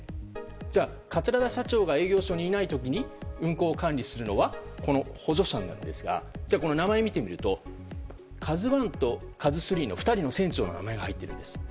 じゃあ、桂田社長が営業所にいない時に運航管理するのは補助者になるんですが名前を見てみると「ＫＡＺＵ１」と「ＫＡＺＵ３」の２人の船長の名前が入っているんです。